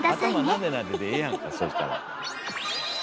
頭なでなででええやんかそしたら。